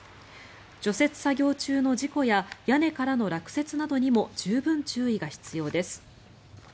除雪作業中の事故や屋根からの落雪などにも十分注意が必要です。